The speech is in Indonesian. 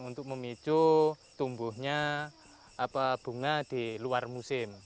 untuk memicu tumbuhnya bunga di luar musim